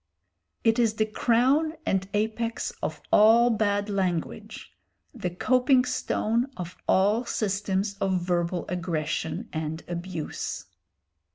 It is the crown and apex of all bad language, the coping stone of all systems of verbal aggression and abuse.